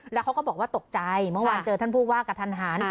แล้วเขาก็บอกว่าตกใจเมื่อวานเจอท่านผู้ว่ากระทันหัน